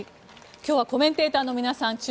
今日はコメンテーターの皆さん